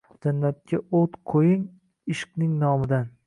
jannatga o’t qo’ying ishqning nomidan.